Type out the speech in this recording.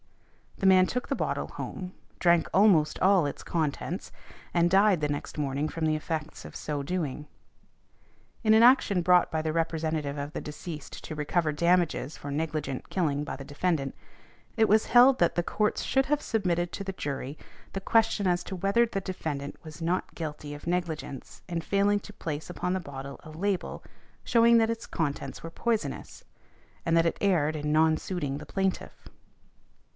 The man took the bottle home, drank almost all its contents, and died the next morning from the effects of so doing. In an action brought by the representative of the deceased to recover damages for negligent killing by the defendant, it was held that the Courts should have submitted to the jury the question as to whether the defendant was not guilty of negligence in failing to place upon the bottle a label, shewing that its contents were poisonous, and that it erred in non suiting the plaintiff.